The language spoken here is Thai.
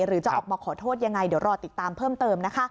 หรือจะออกมาขอโทษยังไงเดี๋ยวรอติดตามเพิ่มเติมนะคะ